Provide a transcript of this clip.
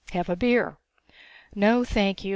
"Have a beer." "No, thank you.